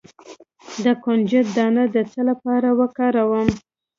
د کنجد دانه د څه لپاره وکاروم؟